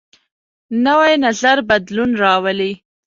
نوی نظر بدلون راولي